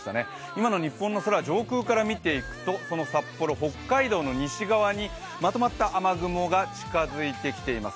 今の日本の空を上空から見ていきますとその札幌の北側にまとまった雨雲が近づいてきています。